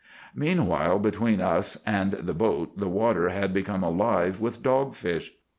"Meanwhile between us and the boat the water had become alive with dogfish.